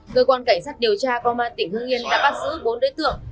người quan cảnh sát điều tra có ma tỉnh hương yên đã bắt giữ bốn đối tượng